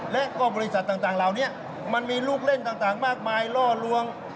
และก็บริษัทต่างเหล่านี้มันมีลูกเล่นต่างมากมายล่อลวง